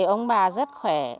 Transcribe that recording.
ông bà rất khỏe